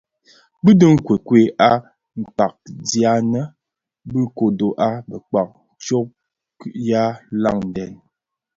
Dhi bi nkokwei a kpagianë bi kodo a bekpag tsok yi landen.